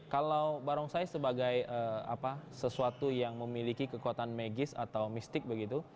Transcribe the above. kalau barongsai sebagai sesuatu yang memiliki kekuatan magis atau mistik begitu